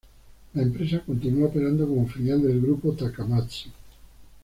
La empresa continúa operando como filial del grupo Takamatsu.